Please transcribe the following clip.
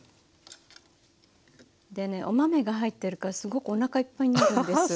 でねお豆が入ってるからすごくおなかいっぱいになるんです。